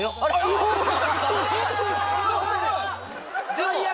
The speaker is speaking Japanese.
最悪！